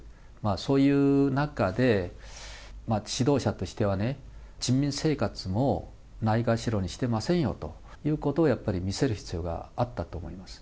そういう中で指導者としてはね、人民生活もないがしろにしてませんよということを、やっぱり見せる必要があったと思います。